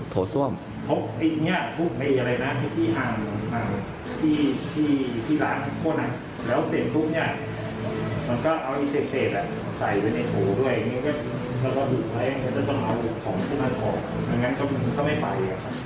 ดังนั้นถ้าไม่ไปอะมันต้องไป